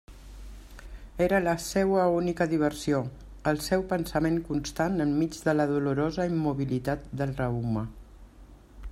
Era la seua única diversió, el seu pensament constant enmig de la dolorosa immobilitat del reuma.